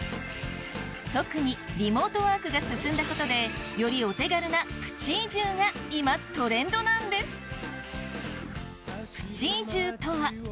特にリモートワークが進んだことでよりお手軽なプチ移住が今トレンドなんです